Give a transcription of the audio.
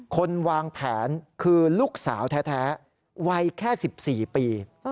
คนวางแผนคือลูกสาวแท้วัยแค่๑๔ปี